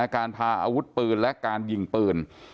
การพาอาวุธปืนและการยิงปืน